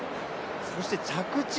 そして、着地。